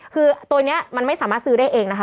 คือตัวนี้มันไม่สามารถซื้อได้เองนะคะ